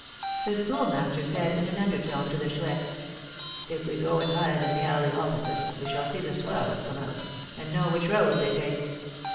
The Schoolmaster said, in an undertone, to the Chouette, "If we go and hide in the alley opposite, we shall see the swells come out, and know which road they take.